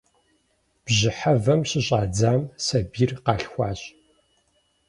Бжьыхьэвэм щыщӏадзам сабийр къалъхуащ.